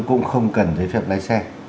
cũng không cần giấy phép lái xe